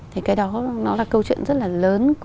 thì cái đó nó là câu chuyện rất là lớn